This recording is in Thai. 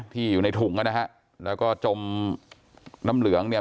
อยู่ในถุงอ่ะนะฮะแล้วก็จมน้ำเหลืองเนี่ย